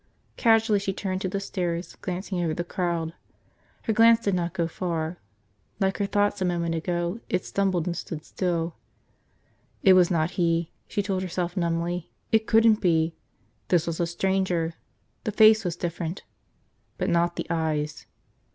Casually she turned to the stairs, glancing over the crowd. Her glance did not go far. Like her thoughts a moment ago, it stumbled and stood still. It was not he, she told herself numbly, it couldn't be. This was a stranger. The face was different. But not the eyes.